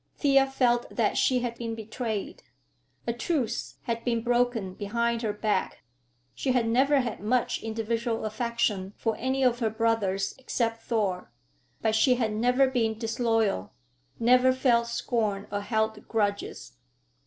Thea felt that she had been betrayed. A truce had been broken behind her back. She had never had much individual affection for any of her brothers except Thor, but she had never been disloyal, never felt scorn or held grudges.